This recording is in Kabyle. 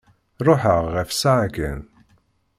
Ruḥeɣ ɣef ssaɛa kan.